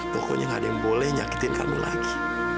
pokoknya gak ada yang boleh nyakitin kamu lagi